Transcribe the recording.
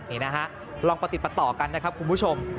นี่นะฮะลองประติดประต่อกันนะครับคุณผู้ชม